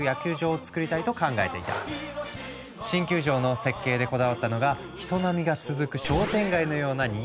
新球場の設計でこだわったのが人波が続く商店街のようなにぎわいのある空間。